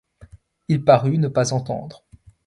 Il parut ne pas entendre.